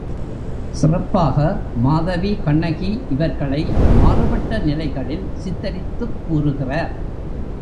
சிறப்பாக மாதவி கண்ணகி இவர்களை மாறுபட்ட நிலைகளில் சித்திரித்துக் கூறுகிறார்.